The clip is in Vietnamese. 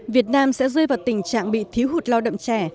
việt nam sẽ rơi vào tình trạng bị thiếu hụt lao động trẻ